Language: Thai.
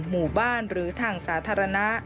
หมู่บ้านหรือทางสาธารณะ